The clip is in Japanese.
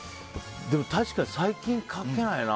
でも確かに最近かけないな。